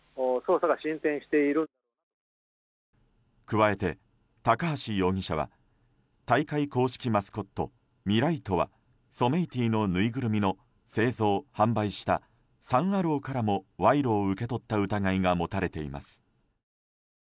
加えて、高橋容疑者は大会公式マスコットミライトワ、ソメイティのぬいぐるみの製造・販売したサン・アローからも賄賂を受け取った疑いが持たれています。